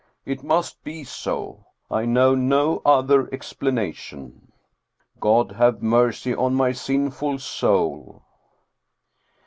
It must be so. I know no other explanation. God have mercy on my sin ful soul."